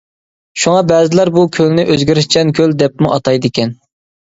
شۇڭا بەزىلەر بۇ كۆلنى «ئۆزگىرىشچان كۆل» دەپمۇ ئاتايدىكەن.